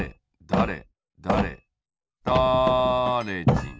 「だれだれだれじん」